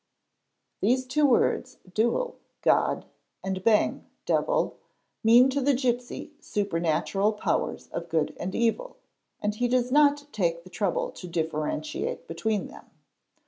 These two words, Dewel (god) and Beng (devil), mean to the gipsy supernatural powers of good and evil and he does not take the trouble to differentiate between them.